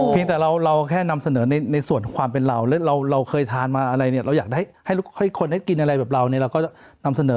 เพียงแต่เราแค่นำเสนอในส่วนของความเป็นเราแล้วเราเคยทานมาอะไรเนี่ยเราอยากให้คนได้กินอะไรแบบเราเนี่ยเราก็จะนำเสนอ